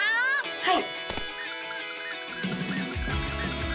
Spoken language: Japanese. はい！